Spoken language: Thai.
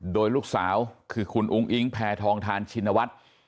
โดยลูกสาวคือคุณอุ้งอิงแพทองทานชินวัฒน์